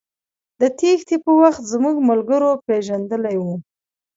د تېښتې په وخت زموږ ملګرو پېژندلى و.